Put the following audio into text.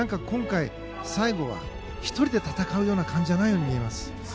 今回、最後は１人で戦うような感じじゃないように見えます。